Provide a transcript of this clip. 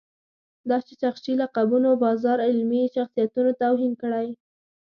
داسې شخصي لقبونو بازار علمي شخصیتونو توهین کړی.